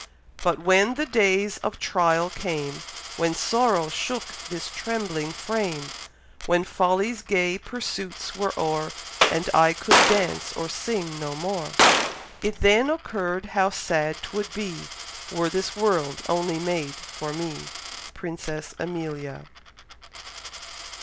But when the days of trial came, When sorrow shook this trembling frame, When folly's gay pursuits were o'er, And I could dance or sing no more; It then occurr'd how sad 'twould be Were this world only made for me. Princess Amelia.